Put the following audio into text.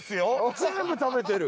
全部食べてる。